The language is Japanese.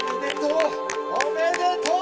おめでとう。